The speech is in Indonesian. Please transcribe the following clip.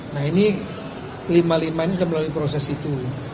nah ini lima lima ini sudah melalui proses itu